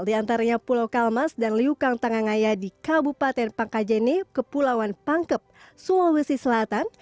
di antaranya pulau kalmas dan liukang tangangaya di kabupaten pangkajene kepulauan pangkep sulawesi selatan